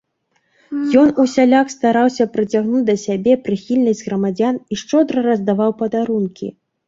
Ён усяляк стараўся прыцягнуць да сябе прыхільнасць грамадзян і шчодра раздаваў падарункі.